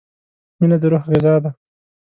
• مینه د روح غذا ده.